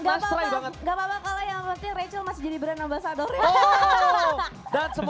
gak apa apa gak apa apa kalo yang penting rachel masih jadi brand ambasador